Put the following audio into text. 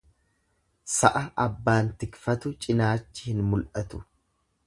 Sa'a abbaan tikfatu cinaachi hin mul'atu.